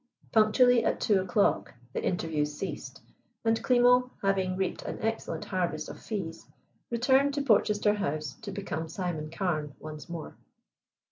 Punctually at two o'clock the interviews ceased, and Klimo, having reaped an excellent harvest of fees, returned to Portchester House to become Simon Carne once more.